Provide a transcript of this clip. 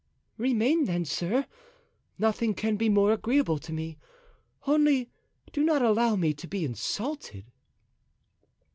"Remain, then, sir; nothing can be more agreeable to me; only do not allow me to be insulted."